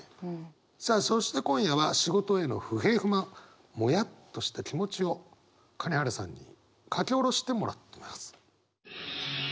さあそして今夜は仕事への不平不満モヤッとした気持ちを金原さんに書き下ろしてもらってます。